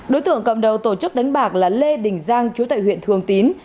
đối tượng cầm đầu tổ chức đánh bạc là lê đình giang chú tại huyện thường tín